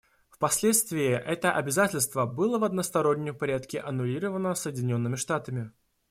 Впоследствии это обязательство было в одностороннем порядке аннулировано Соединенными Штатами.